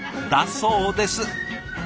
だそうです。